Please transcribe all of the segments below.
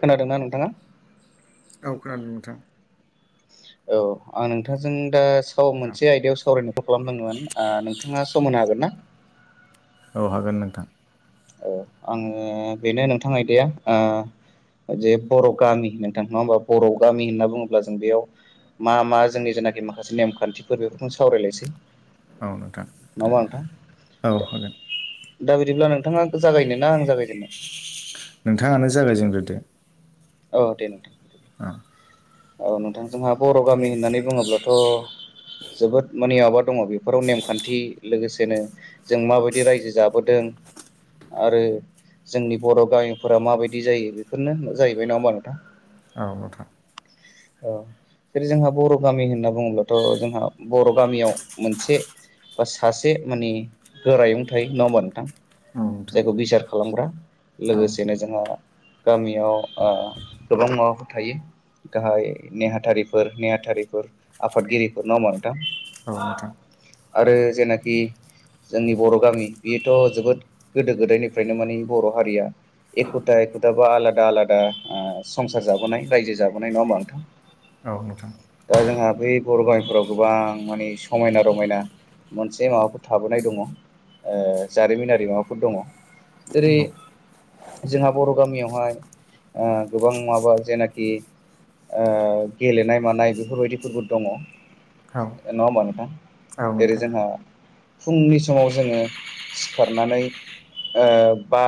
खोनादों ना नोंथाङा। औ खोनादों नोंथां। औ आं नोंथांजों दा स औ मोनसे आयदायाव सावरायनायखौ खालामदोंमोन नोंथाङा समायनो हागोन ना। औ हागोन नोंथां। औ आङो बेनो नोंथां आइदाया जे बर' गामि नोंथां नङा होमबा बर' गामि होनना बुङोब्ला जों बेयाव मा मा जोंनि जेनाखि माखासे नेमखान्थिफोर बेफोरखौनो सावरायलायसै औ नोंथां होमबा नोंथां औ हागोन। दा बिदिब्ला नोंथाङा जागायनो ना आं जागायजेननो। नोंथाङानो जागायजेनग्रोदो। औ दे नोंथां। अ। औ नोंथांजोंहा बर' गामि होननानै बुङोब्लाथ' जोबोद माने माबा दङ। बेफोराव नेमखान्थि लोगोसेनो जों माबायदि रायजो जाबोदों, आरो जोंनि बर' गामिफोरा माबायदि जायो बेफोरनो जाहैबाय नङा होमबा नोंथां औ नोंथां औ जेरै जोंहा बर' गामि होनना बुङोब्लाथ' जोंहा बर' गामियाव मोनसे। बा सासे माने गोरायुं थायो नङा होनबा नोंथां औ नोंथां जायखौ बिसार खालामग्रा औ लोगोसेनो जोंहा गामियाव गोबां माबाफोर थायो गाहाय नेहाथारिफोर नेहाथारिफोर आफादगिरिफोर नङा होनबा नोंथां औ नोंथां आरो जेनाखि जोंनि बर' गामि बेयोथ' जोबोद गोदो गोदायनिफ्रायनो माने बर' हारिया एखुथा एखुथा बा आलादा आलादा संसार जाबोनाय रायजो जाबाय नङा होनबा नोंथां औ नोंथां ओ जोंहा बै बर' गामिफोराव गोबां माने समायना रमायना मोनसे माबाफोर थाबोनाय दङ जारिमिनारि माबाफोर दङ। जेरै नंगौ जोंहा बर' गामियावहाय गोबां माबा जेनाखि गेलेनाय मानाय बेफोरबायदिफोरबो दङ औ नङा होमबा नोंथां औ जेरै नोंथां जोंहा फुंनि समाव जोङो सिखारनानै बा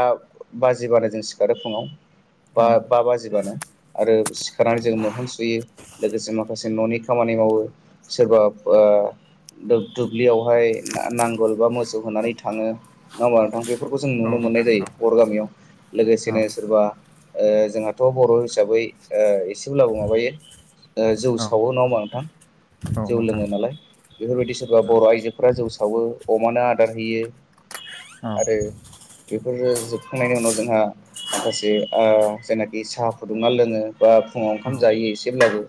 औ बा बाजिबानो आरो खारनानै जों मोखां सुयो लोगोसे माखासे न'नि खामानि मावो सोरबा दुब्लियावहाय नांगोल बा मोसौ होनानै थाङो नङा होनबा नोंथां बेफोरखौ जों औ नुनो नोंथां मोननाय जायो बर' गामियाव औ नोंथां औ लोगोसेनो सोरबा जोंहाथ' बर' हिसाबै एसेब्लाबो माबायो जौ औ नोंथां औ सावो नङा होमबा नोंथां औ नोंथां औ जौ नोंथां लोङो नालाय बेफोरबायदि सोरबा बर' आइजोफोरा जौ सावो अमानो आदार होयो आरो बेफोरो जोबखांनायनि उनाव जोंहा माखासे जायनाखि साहा फुदुंना लोङो बा फुङाव ओंखाम जायो एसेब्लाबो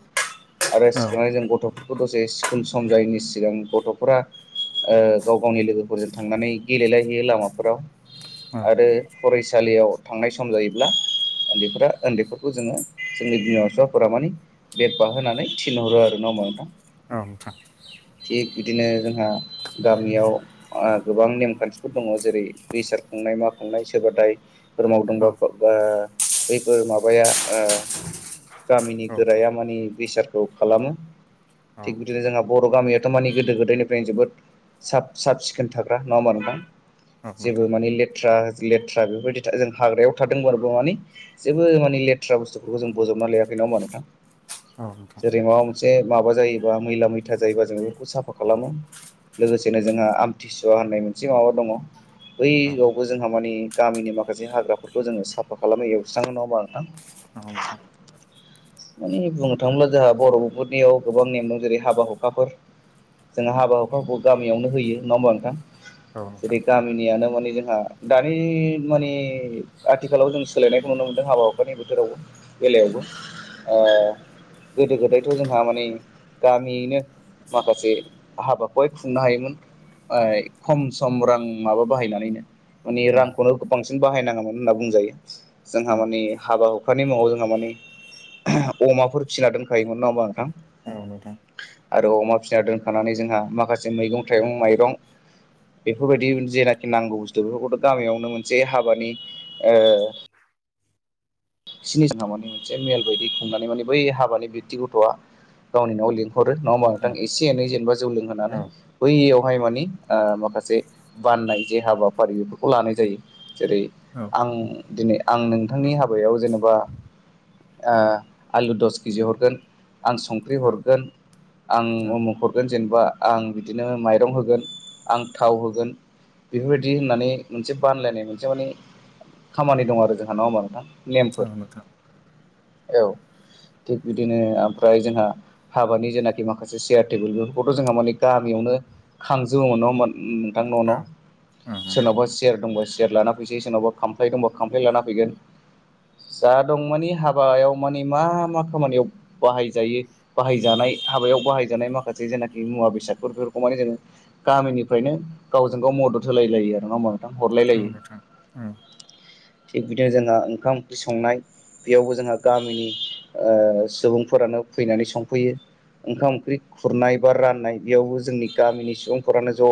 आरो सिखांनानै जों गथ'फोरखौ दसे स्कुल सम जायैनि सिगां गथ'फोरा गाव गावनि लोगोफोरजों थांनानै गेलेलायहैयो लामाफोराव। आरो फरायसालियाव थांनाय सम जायोब्ला उन्दैफोरा उन्दैफोरखौ जोङो जोंनि बिमा बिफाफोरा मानिे बेग बाहोनानै थिनहरो आरो नङा होमबा नोंथां था थिग बिदिनो जोंहा गामियाव गोबां नेमखान्थिफोर दङ जेरै दैसार खुंनाय मा खुंनाय सोरबा दाय फोर मावदोंबा बैफोर माबाया गामिनि गोराया माने बिसारखौ खालामो थिग बिदिनो जोंहा बर' गामियाथ' मानि गोदो गोदायनिफ्रायनो जोबोद साब साब सिखोन थाग्रा नङा होनबा नोंथां जेबो माने लेथ्रा लेथ्रा बेफोरबायदि जों हाग्रायाव थादोंबाबो माने। जेबो माने लेथ्रा बुस्थुफोरखौ जों बजबना लायाखै नङा होमबा नोंथां। औ जेरै माबा मोनसे माबा जायोबा मैला मैथा जायोबा जों बेफोरखौ साफा खालामो लोगोसेनो जोंहा आमथिसुवा होननाय मोनसे माबा दङ बैआवबो जोंहा मानिे गामिनि माखासे हाग्राफोरखौ जोङो साफा खालामो एवस्राङो नङा होनबा नोंथां। [unintelligible] माने बुंनो थाङोब्ला जोंहा बर'फोरनियाव गोबां नेम दं जेरै हाबा हुखाफोर जोंहा हाबा हुखाखौ गामियावनो होयो नङा होमबा नोंथां जेरै गामिनियानो माने जोंहा दानि माने आथिखालाव जों सोलायनायखौ नुनो मोन्दों हाबा हुफानि बोथोरावबो बेलायावबो गोदो गोदायथ' जोंहा माने गामियैनो। माखासे हाबाखौहाय खुंनो हायोमोन। खम सम रां माबा बाहायनानैनो मानानि रांखौनो बांसिन बाहायनाङामोन होनना बुंजायो जोंहा मानि हाबा हुखानि मुङाव जोंहा मानि अमाफोर फिना दोनखायोमोन नङा होमबा नोंथां। औ नोंथां। आरो अमा फिना दोनखानानै जोंहा माखासे मैगं थाइगं माइरं बेफोरबायदि जेनाखि नांगौ बुस्थु बेफोरखौथ' गामियावनो मोनसे हाबानि ओ सिनि साहा मानि मोनसे मेल बायदि खुंनानै माने बै हाबानि बेक्ति गथ'आ गावनि न'आव लिंहरो नङाोमा नोंथां एसे एनै जेनेबा जौ लोंहोनानै। बैयावहाय मानि माखासे बाननाय जे हाबाफारि बेफोरखौ लानाय जायो। जेरै आं दिनै आं नोंथांनि हाबायाव जेनेबा आलु दस केजि हरगोन आं संख्रि हरगोन आं उमुख हरगोन जेनेबा आं बिदिनो माइरं होगोन आं थाव होगोन बेफोरबायदि होननानै मोनसे बानलायनाय मोनसे माने खामानि दं आरो जों नंङा होमबा नोंथा नेमफोर औ नोंथां औ थिग बिदिनो ओमफ्राय जोंहा हाबानि जेनाखि माखासे सियार टेबोल बेफोरखौथ' जोंहा माने गामियावनो खांजोबोमोनोन नोंथां न' न'। औ औ नोंथां सोरनावबा सेर दंबा सयेर लाना फैसै सोरनावबा खामफ्लाय दंबा खामफ्लाय लाना फैगोन जा दं मानिे हाबायाव मानि मा मा खामानियाव बाहायजायो बाहायजानाय हाबायाव बाहायजानाय माखासे जेनाखि मुवा बेसादफोरखौ माने जोङो गामिनिफ्रायनो गावजों गाव मदद होलाय लायो आरो नङाहोमबा हरलाय औ लायो नोंथां औ थिग बिदिनो जोंहा ओंखाम। ओंख्रि संनाय बेयावबो जोंहा गामिनि सुबुंफोरानो फैनानै संफैयो ओंखाम ओंख्रि खुरनाय बा राननाय बेयावबो जोंनि गामिनि सुबुंफोरानो ज'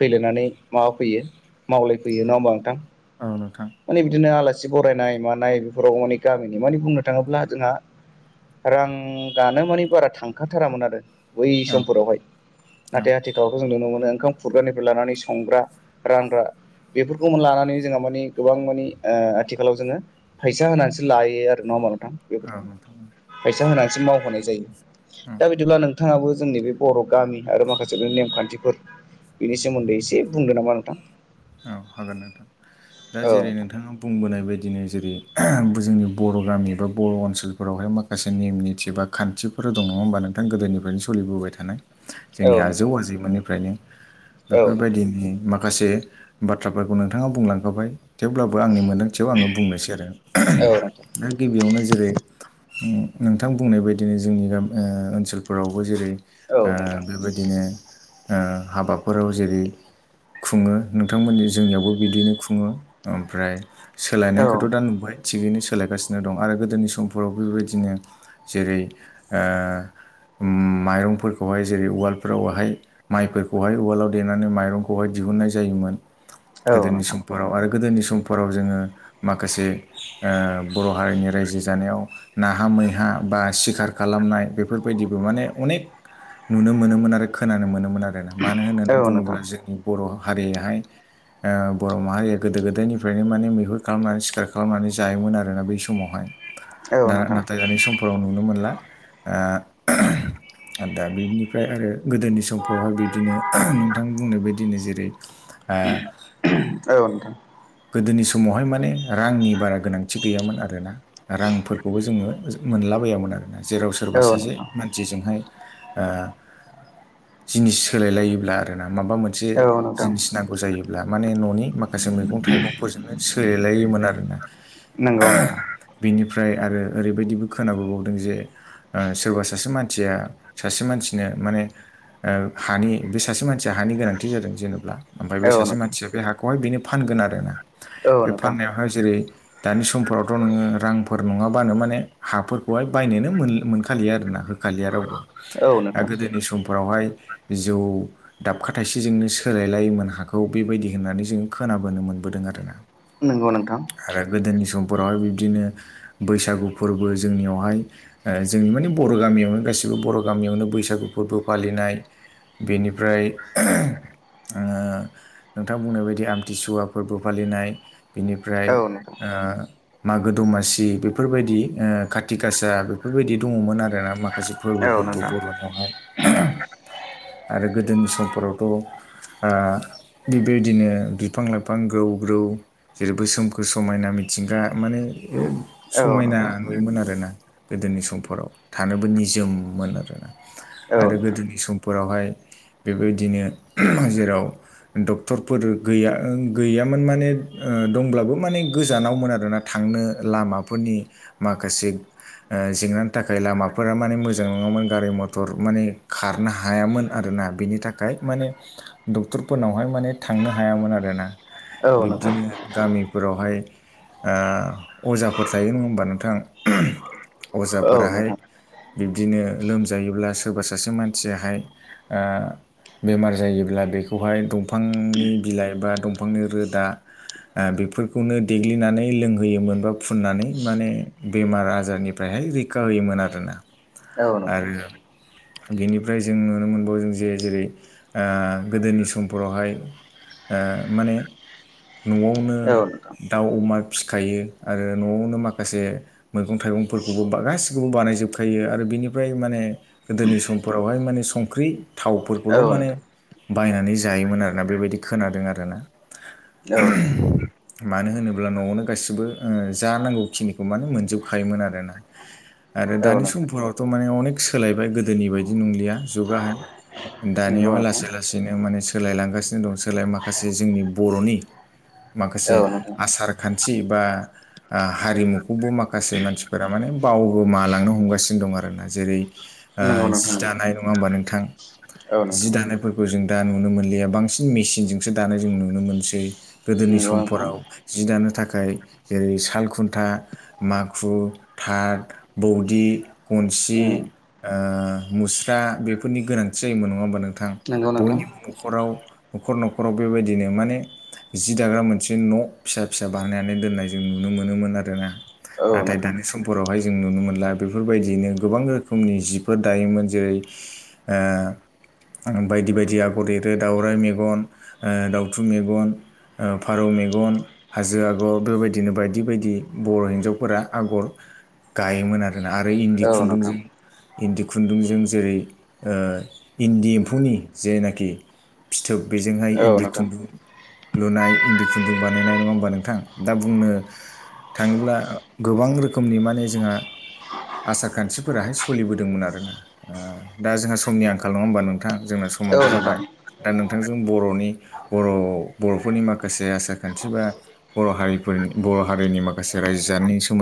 फैलायनानै माबा फैयो मावलायफैयो औ नङा होमबा नोंथां। औ नोंथां। माने बिदिनो आलासि बरायनाय मानाय बेफोराव माने गामिनि माने बुंनो थाङोब्ला जोंहा। रां गानो मानि बारा थांखाथारामोन आरो बै औ नोंथां समफोरावहाय औ नाथाय आथिखावथ' जों नुनो मोनो ओंखाम खुरग्रानिफ्राय लानानै संग्रा रानग्रा बेफोरखौ लानानै जोंहा माने गोबां मानिे आथिखालाव जोङो फैसा होनानैसो लायो आरो नङा होमबा नोंथां औ नोंथां बेफोरखौ फैसा होनानैसो मावहोनाय जायो। औ दा बिदिब्ला नोंथाङाबो जोंनि बे बर' गामि आरो माखासे नेमखान्थिफोर बिनि सोमोन्दै एसे बुंदो नामा नोंथां। औ हागोन नोंथां दा औ जेरै नोंथाङा बुंबोनाय बायदिनो जेरै जोंनि बर' गामि बा बर' ओनसोलफोरावहाय मा माखासे नेम निथि बा खान्थिफोर दं नङा होमबा नोंथां गोदोनिफ्रायनो सोलिबोबाय थानाय जोंनि औ आजौ नोंथां आजैमोननिफ्रायनो औ नोंथां बेफोरबायदिनि माखासे बाथ्राफोरखौ नोंथाङा बुंलांखाबाय थेवब्लाबो आंनि मोन्दांथियाव आङो बुंनोसै आरो। औ नोंथां दा गिबियावनो जेरै नोंथां बुंनाय बायदिनो जोंनि गामि ओनसोलफोरावबो जेरै औ नोंथां बेबायदिनो हाबाफोराव जेरै खुङो नोंथांमोननि जोंनियावबो बिदिनो खुङो ओमफ्राय सोलायनायखौथ' दा औ नुबाय थिगैनो सोलायगासिनो दं आरो गोदोनि समफोराव बेबायदिनो जेरै ओ माइरंफोरखौहाय जेरै उवालफोरावहाय माइफोरखौहाय उवालाव देनानै माइरंखौहाय दिहुननाय जायोमोन औ गोदोनि नोंथां समफोराव आरो गोदोनि समफोराव जोङो माखासे बर' हारिनि रायजो जानायाव नाहा मैहा बा सिखार खालामनाय बेफोरबायदिबो माने अनेक नुनो मोनोमोन आरो खोनानो मोनोमोन आरोना मानो होननानै औ नोंथां औ बुङोब्ला नोंथां जोंनि बर' हारियहाय ओ बर' माहारिया गोदो गोदायनिफ्रायनो माने मैहुर खालामनानै सिखार खालामनानै जायोमोन आरोना बै समावहाय औ दा नोंथां नाथाय दानि समफोराव नुनो मोनला ओ दा बेनिफ्राय आरो गोदोनि समफ्रावहाय बिदिनो नोंथां बुंनाय बदिनो जेरै आ औ गोदोनि समावहाय माने रांनि बारा गोनांथि गैयामोन आरोना रांफोरखौबो जोङो मोनला बयामोन आरोना जेराव सोरबा औ सासे नोंथां मान सिजोंहाय जिनिस सोलायलायोब्ला ना माबा मोनसे औ नोंथां जिनिस नांगौ जायोब्ला माने ननि माखासे मैगं थाइगंफोरजोंनो सेलायोमोन आरोना नंगौ नोंथां बिनिफ्राय आरो ओरैबायदिबो खोनाबोबावदों जे ओ सोरबा सासे मानसिया सासे मानसिनो माने ओ हानि बे सासे मानसिया हानि गोनांथि जादों जेनेब्ला ओमफ्राय बे औ सासे नोंथां मानसिया बे हाखौहाय बेनो फानगोन आरोना औ बे नोंथां फाननायावहाय जेरै दानि सम फोरावथ' नोङो रांफोर नङाबानो माने हाफोरखौहाय बायनोनो मोन-मोनखालियो आरो ना होखालिया रावबो औ दा नोंथां गोदोनि समफोरावहाय जौ दाबखा थाइसेजोंनो सोलायलायोमोन हाखौ बेबायदि होननानै जों खोनाबोनो मोन बोदों आरो ना नोंगौ नोंथां दा गोदोनि समफोरावहाय बिब्दिनो बैसागु फोरबो जोंनियावहाय ओ जोंनि मानि बर' गामियावनो गासैबो बर' गामियावनो बैसागु फोरबो फालिनाय बेनिफ्राय ओ नोंथां बुंनाय बायदि आमथि सुवा फोरबो फालिनाय बिनिफ्राय औ नोंथां आ मागो दमासि बेफोरबायदि ओ खाथि खाासा बेफोरबायदि दङमोन आरोना माखासे फोरबो औ फोरबो नोंथां बर'नियावहाय [inaudible] आरो गोदोनि समफोरावथ' आ बिबायदिनो बिफां लाइफां फां ग्रौग्रौ जेरै बोसोमखोर समायना मिथिंगा माने ओ औ समायना नोंथां नुयोमोन आरोना गोदोनि समफोराव थानोबो निजोममोन आरोना औ आरो नोंथां गोदोनि समफोरावहाय बेबायदिनो जेराव डक्टरफोर गैया ओ गैयामोन माने दंब्लाबो माने गोजानावमोन आरोना थांनो लामाफोरनि माखासे ओ जेंनानि थाखाय लामाफोरा माने मोजां नङामोन गारि मथर माने खारनो हायामोन आरो ना बिनि थाखाय माने डक्टरफोरनावहाय माने थांनो हायामोन आरोना औ नोंथां बिब्दिनो गामिफोरावहाय आ अजाफोर थायो नङा होमबा नोंथां औ अजाफोराहाय नोंथां बिब्दिनो लोमजायोब्ला सोरबा सासे मानसियाहाय ओ बेमार जायोब्ला बेखौहाय दंफांनि बिलाइ बा दंफांनि रोदा आं बेफोरखौनो देग्लिनानै लोंहोयोमोन बा फुननानै माने बेमार आजारनिफ्रायहाय रैख खा होयोमोन आरोना औ नोंथां बिनिफ्राय जों नुनो मोनबावो जों जे जेरै आ गोदोनि समफोरावहाय आ माने न'आवनो औ नोंथां दाउ अमा फिखायो आरो न'आवनो माखासे मैगं थाइगंफोरखौबो बा गासिखौबो बानायजोबखायो आरो बिनिफ्राय माने गोदोनि समफोरावहाय माने संख्रि थावफोरखौल' औ माने नोंथां बायनानै जायोमोन आरोना बेबायदि खोनादों आरोना। औ मानो होनोब्ला न'आवनो गाससिबो जानांगौ खिनिखौ मानो मोनजोबखायोमोन आरोना। आरो औ दानि नोंथां समफोरावथ' माने अनेक सोलायबाय गोदोनि बायदि नंलिया जुगाहाय। औ नोंथां नंगौ दानियावहाय नोंथां लासै लासैनो माने सोलायलांगासिनो दं सोलाय माखासे जोंनि बर'नि माखासे औ नोंथां आसार खान्थि बा हारिमुखौबो माखासे मानसिफोरा माने बावगोमालांनो हमगासिनो दं आरोना जेरै नंगौ जि नोंथां नंगौ दानाय नङा होमबा नोंथां? औ जि नोंथां दानायफोरखौ जों दा नुनो मोनलिया बांसिन मेसिन जों दानाय जों नुनो मोनसै गोदोनि नंगौ नोंथां समफोराव जि दानो थाखाय जेरै साल खुन्था माखु, थाथ, बौदि, गनसि ओ मुस्रा बेफोरनि गोनांथि जायोमोन नङा होमबा नों थां? नंगौ नोंथां बयनिबो न'खराव न'खर न'खराव बेबायदिनो माने जि दाग्रा मोनसे न' फिसा फिसा बानायनानै दोननाय जों नुनो मोनोमोन आरोना। औ नाथाय नोंथां दानि समफोरावहाय जों नुनो मोनला बेफोरबायदियैनो गोबां रोखोमनि जिफोर दायोमोन जेरै बायदि बायदि आगर एरो दाउराइ मेगन दाउथु मेगन, फारौ मेगन हाजो आगर बेबायदिनो बायदि बायदि बर' हिन्जावफोरा आगर गायोमोन आरो ना आरो इन्दि औ नोंथां खुन्दुंजों इन्दि खुन्दुंजों जेरै इन्दि एम्फौनि जेनाखि फिथोब बेजोंहाय औ इन्दि नोंथां खुन्दुं लुनाय इन्दि खुन्दुं बानायनाय नङा होमबा नोंथां? दा बुंनो थाङोब्ला गोबां रोखोमनि माने जोंहा आसार खान्थिफोराहाय सोलिबोदोंमोन आरोना। दा जोंहा समनि आंखाल नङा होमबा नोंथां जोंना समाबो औ जाबाय नोंथां दा नोंथांजों बर'नि बर' बर'फोरनि माखासे आसार खान्थि बा बर' हारिफोरनि बर' हारिनि माखासे रायजो जानायनि सोमोन